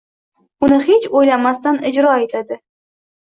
Uni hech o‘ylamasdan ijro etadi.